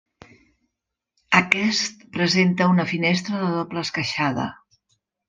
Aquest presenta una finestra de doble esqueixada.